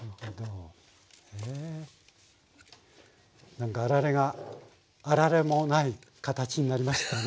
なんか「あられ」が「『あられ』もない」形になりましたね。